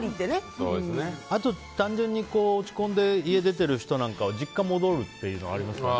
あと、単純に落ち込んで家出てる人なんかは実家に戻るのもありますよね。